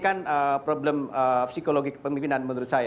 dan itu juga menyebabkan problem psikologi pemimpinan menurut saya